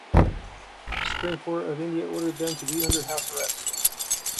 The Supreme Court of India ordered them to be under house arrest.